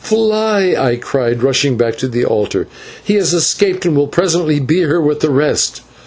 "Fly," I cried, rushing back to the altar, "he has escaped, and will presently be here with the rest."